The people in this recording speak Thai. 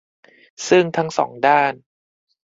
ซึ่งทั้งสองด้าน